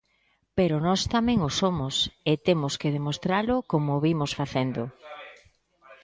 Pero nós tamén o somos, e temos que demostralo como vimos facendo.